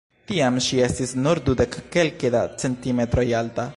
Tiam ŝi estis nur dudek kelke da centimetroj alta.